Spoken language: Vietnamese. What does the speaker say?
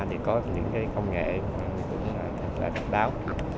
thì có những cái công nghệ cũng là thật là đặc đáo